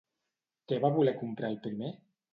Què va voler comprar el primer?